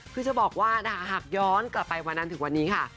คือจะบอกว่าถ้าหากย้อนกลับไปวันนั้นถึงวันนี้ค่ะ